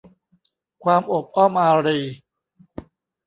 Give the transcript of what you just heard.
ความโอบอ้อมอารี